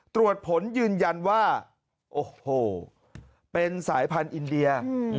ตรวจผลยืนยันว่าโอ้โหเป็นสายพันธุ์อินเดีย